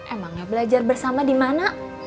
emang gak belajar bersama di mana